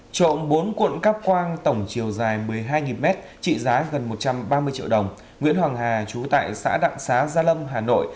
trộm bốn cuộn cắp quang tổng chiều dài một mươi hai m trị giá gần một trăm ba mươi triệu đồng nguyễn hoàng hà chú tại xã đặng xá gia lâm hà nội